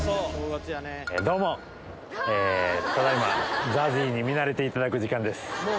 どうも、ただいま、ＺＡＺＹに見慣れていただく時間です。